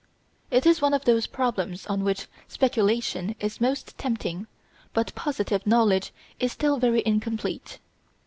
It is one of those problems on which speculation is most tempting but positive knowledge is still very incomplete.